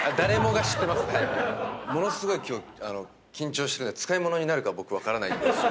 ものすごい今日緊張してて使いものになるか僕分からないんですけど。